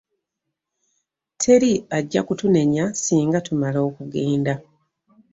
Teri ajja kutunenya ssinga tumala okugenda.